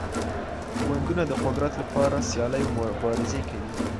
ګوندونه د قدرت لپاره سيالۍ او مبارزې کوي.